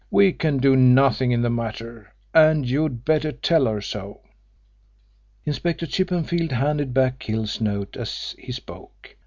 We can do nothing in the matter, and you'd better tell her so." Inspector Chippenfield handed back Hill's note as he spoke.